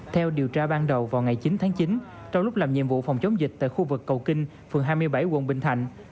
theo điều tra ban đầu vào ngày chín tháng chín trong lúc làm nhiệm vụ phòng chống dịch tại khu vực cầu kinh phường hai mươi bảy quận bình thạnh